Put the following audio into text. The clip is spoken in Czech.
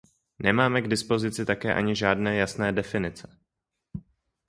Nemáme k dispozici také ani žádné jasné definice.